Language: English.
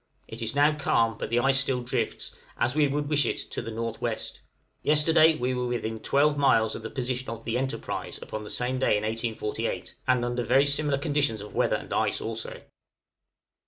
It is now calm, but the ice still drifts, as we would wish it, to the N.W. Yesterday we were within 12 miles of the position of the 'Enterprise' upon the same day in 1848, and under very similar conditions of weather and ice also.